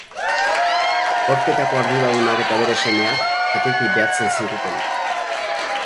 Kortetako arduradunak eta bere semeak atetik behatzen ziguten.